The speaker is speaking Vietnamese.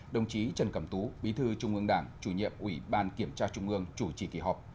đồng chí trần cẩm tú bí thư trung ương đảng chủ nhiệm ủy ban kiểm tra trung ương chủ trì kỳ họp